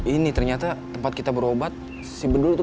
ini ternyata tempat kita berobat vedere yang sama udah ngomong